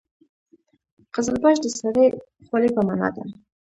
قزلباش د سرې خولۍ په معنا ده.